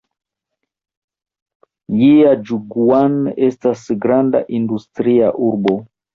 Jiaĝuguan estas grava industria urbo.